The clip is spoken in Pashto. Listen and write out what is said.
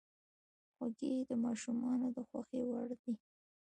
خوږې د ماشومانو د خوښې وړ دي.